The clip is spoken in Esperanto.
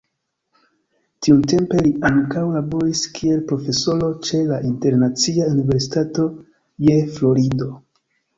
Tiutempe li ankaŭ laboris kiel profesoro ĉe la Internacia Universitato je Florido.